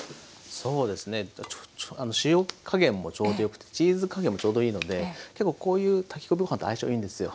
そうですね塩加減もちょうどよくてチーズ加減もちょうどいいので結構こういう炊き込みご飯と相性いいんですよ。